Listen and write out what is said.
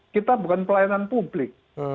kita bukan pelayanan publik